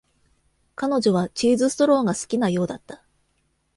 彼女はチーズストローが好きなようだった。